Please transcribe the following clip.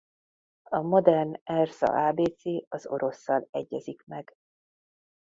A modern erza ábécé az orosszal egyezik meg.